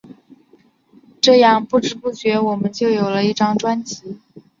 这样不知不觉我们就有了一张专辑。